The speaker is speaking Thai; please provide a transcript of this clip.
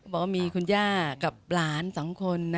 บอกว่ามีคุณย่ากับหลาน๒คน